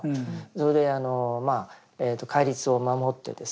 それで戒律を守ってですね